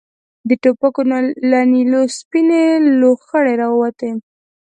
د ټوپکو له نليو سپينې لوخړې را ووتې.